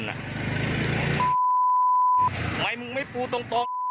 ทำไมมึงไม่ปูตรง